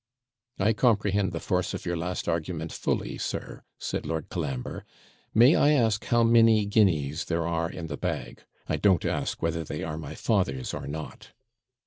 'I comprehend the force of your last argument fully, sir,' said Lord Colambre. 'May I ask how many guineas there are in the bag? I don't ask whether they are my father's or not.'